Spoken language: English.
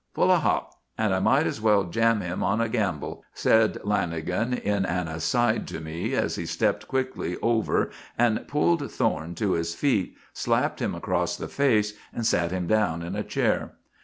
"Full of hop; and I might as well jam him on a gamble," said Lanagan, in an aside to me as he stepped quickly over and pulled Thorne to his feet, slapped him across the face, and sat him down in a chair.